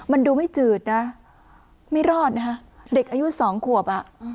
มันดูไม่จืดนะไม่รอดนะคะเด็กอายุสองขวบอ่ะ